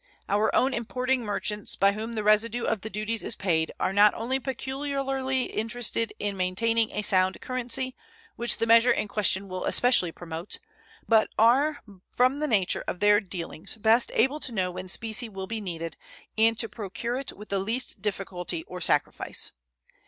Our own importing merchants, by whom the residue of the duties is paid, are not only peculiarly interested in maintaining a sound currency, which the measure in question will especially promote, but are from the nature of their dealings best able to know when specie will be needed and to procure it with the least difficulty or sacrifice.